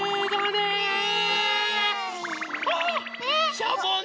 しゃぼんだまだ！